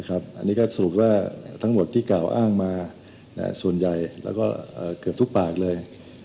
อันนี้ก็สรุปว่าทั้งหมดที่กล่าวอ้างมาส่วนใหญ่แล้วก็เกือบทุกปากเลย